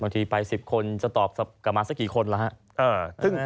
บางทีไป๑๐คนจะตอบกลัวมาสักกี่คนแล้ว